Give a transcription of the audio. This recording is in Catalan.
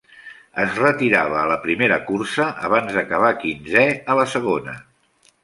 Es retirava a la primera cursa, abans d'acabar quinzè a la segona.